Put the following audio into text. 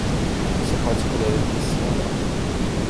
Você pode escolher entre sim ou não.